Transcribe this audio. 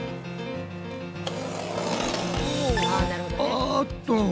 あっと！